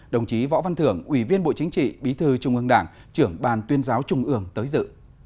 đồng chí võ văn thưởng ủy viên bộ chính trị bí thư trung ương đảng trưởng ban tuyên giáo trung ương tới dự